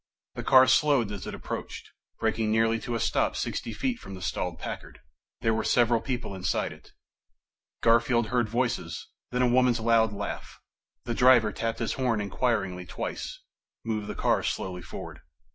The car slowed as it approached, braking nearly to a stop sixty feet from the stalled Packard. There were several people inside it; Garfield heard voices, then a woman's loud laugh. The driver tapped his horn inquiringly twice, moved the car slowly forward.